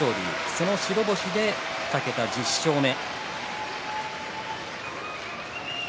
その白星で２桁１０勝目。